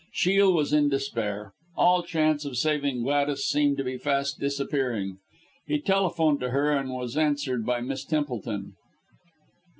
'" Shiel was in despair. All chance of saving Gladys seemed to be fast disappearing. He telephoned to her, and was answered by Miss Templeton.